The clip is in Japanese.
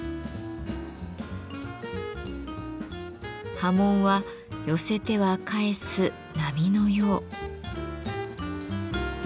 刃文は寄せては返す波のよう。